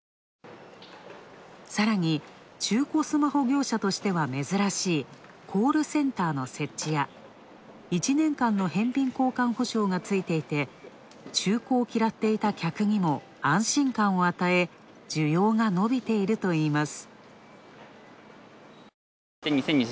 さらに中古スマホ業者としては珍しいコールセンターの設置や、１年間の返品交換保証がついていて中古を嫌っていた客にも安心感を与え、需要がのびているといいます。